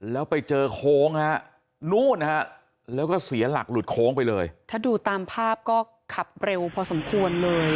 แล้วไปเจอโค้งฮะนู่นฮะแล้วก็เสียหลักหลุดโค้งไปเลยถ้าดูตามภาพก็ขับเร็วพอสมควรเลย